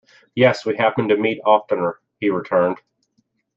"Yes, we happened to meet oftener," he returned.